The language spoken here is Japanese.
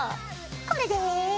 これで。